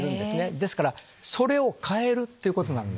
ですからそれを変えるっていうことなんで。